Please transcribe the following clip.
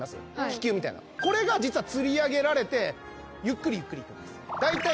気球みたいなのこれが実はつり上げられてゆっくりゆっくり行くんです大体